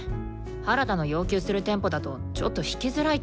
原田の要求するテンポだとちょっと弾きづらいっていうか。